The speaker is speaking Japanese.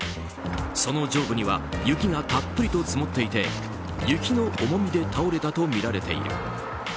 その上部には雪がたっぷりと積もっていて雪の重みで倒れたとみられている。